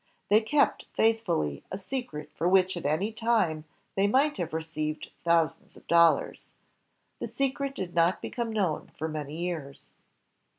They kept faithfully a secret for which at any time they might have received thousands of dollars. The secret did not become known for many years.